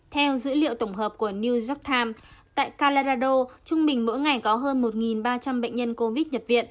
theo dữ liệu tổng hợp của new york times tại calarado trung bình mỗi ngày có hơn một ba trăm linh bệnh nhân covid nhập viện